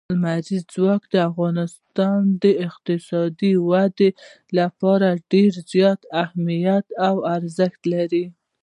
لمریز ځواک د افغانستان د اقتصادي ودې لپاره ډېر زیات اهمیت او ارزښت لري.